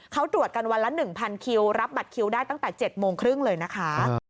เขาตรวจกันวันละ๑๐๐คิวรับบัตรคิวได้ตั้งแต่๗โมงครึ่งเลยนะคะ